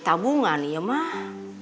tabungan ya mah